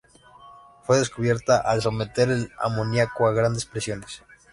Fue descubierta al someter el amoniaco a grandes presiones.